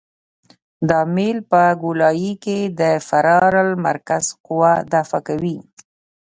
دا میل په ګولایي کې د فرار المرکز قوه دفع کوي